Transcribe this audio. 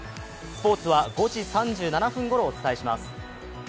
スポーツは５時３７分ごろお伝えします。